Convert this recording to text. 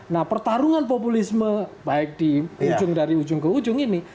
nah pertarungan populisme baik di ujung dari ujung ke ujung ini